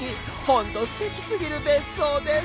本当すてきすぎる別荘です。